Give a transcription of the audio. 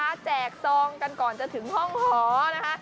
แจกซองกันก่อนจะถึงห้องหอนะคะ